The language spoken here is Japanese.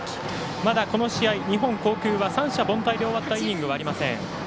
まだこの試合、日本航空は三者凡退で終わったイニングはありません。